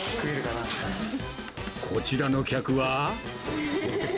こちらの客は。